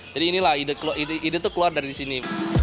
jadi inilah ide keluar dari sini